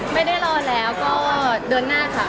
ไม่ได้รอแล้วก็เดือนหน้าค่ะ